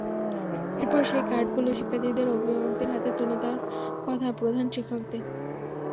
এরপর সেই কার্ডগুলো শিক্ষার্থীদের অভিভাবকদের হাতে তুলে দেওয়ার কথা প্রধান শিক্ষকদের।